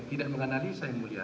tidak menganalisa yang mulia